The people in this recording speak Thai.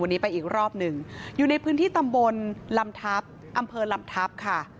วันนี้ไปอีกรอบหนึ่งอยู่ในพื้นที่ตำบลลำทัพอำเภอลำทัพค่ะ